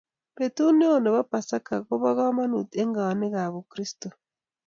Betut neo nebo Pasaka kobo komonut eng kayaniikab Ukristo.